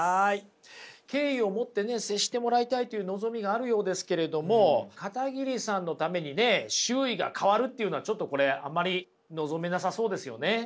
敬意を持ってね接してもらいたいという望みがあるようですけれども片桐さんのためにね周囲が変わるっていうのはちょっとこれあんまり望めなさそうですよね。